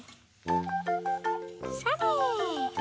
それ。